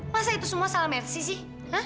masa itu semua salah mersi sih